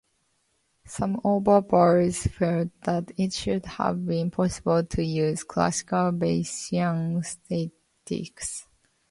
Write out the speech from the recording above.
Some observers felt that it should have been possible to use classical Bayesian statistics.